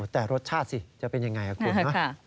แต่รสชาติสิจะเป็นยังไงคุณนะ